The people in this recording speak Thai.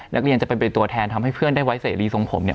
นักเรียนจะเป็นตัวแทนทำให้เพื่อนได้ไว้เสรีทรงผมเนี่ย